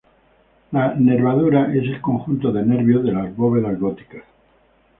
La nervadura es el conjunto de nervios de las bóvedas góticas.